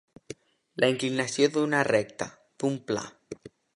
La inclinació d'una recta, d'un pla.